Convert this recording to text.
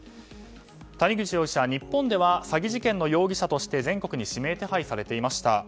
谷口容疑者、日本では詐欺事件の容疑者として全国に指名手配されていました。